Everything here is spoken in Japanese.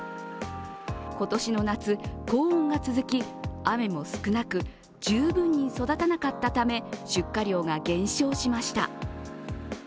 今年の夏、高温が続き、雨も少なく十分に育たなかったため、出荷量が減少しました。